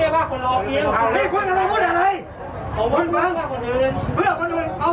มีคุณอันใดว้าคนรอคิว